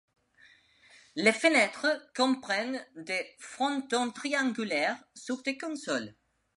Les fenêtres comprennent des frontons triangulaires sur des consoles.